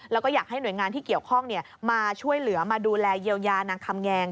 แล้วก็อยากให้หน่วยงานที่เกี่ยวข้องมาช่วยเหลือมาดูแลเยียวยานางคำแงง